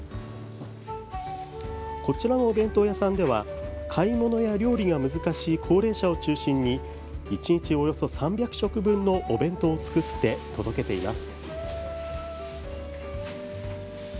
こちらのお弁当屋さんでは買い物や料理が難しい高齢者を中心に１日およそ３００食分のお弁当を作って届けています。